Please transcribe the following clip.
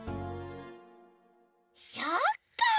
そっか！